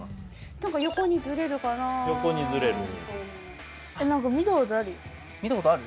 何か横にずれるかなと見たことある？